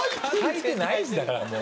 はいてないんだからもう。